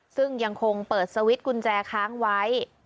ซึ่งยังคงเปิดสวิตช์กุญแจค้างไว้